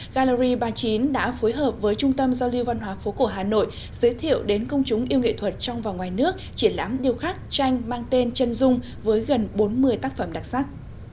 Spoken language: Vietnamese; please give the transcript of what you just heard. gallery ba mươi chín đã phối hợp với trung tâm giao lưu văn hóa phố cổ hà nội giới thiệu đến công chúng yêu nghệ thuật trong và ngoài nước triển lãm điêu khắc tranh mang tên chân dung với gần bốn mươi tác phẩm đặc sắc